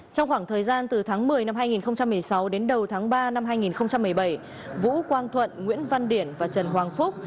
trong khoảng thời gian từ tháng một mươi năm hai nghìn một mươi sáu đến đầu tháng ba năm hai nghìn một mươi bảy vũ quang thuận nguyễn văn điển và trần hoàng phúc